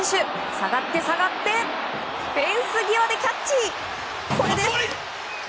下がって下がってフェンス際でキャッチ。